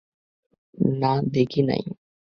না, দেখি নাই।